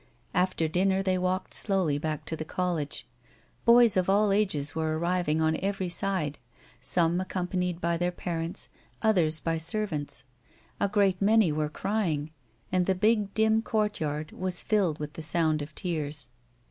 After dinner they walked slowly back to the college. Boys of all ages were arriving on every side, some accompanied by their parents, others by servants. A great many were crying, and the big, dim courtyard was filled with the sound of tears.